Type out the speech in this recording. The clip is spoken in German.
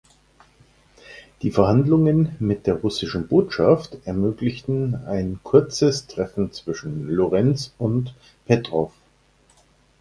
Die Verhandlungen mit der russischen Botschaft ermöglichen ein kurzes Treffen zwischen Lorenz und Petrow.